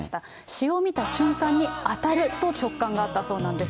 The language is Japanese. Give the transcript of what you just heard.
詞を見た瞬間に当たると直感があったそうなんです。